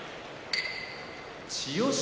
千代翔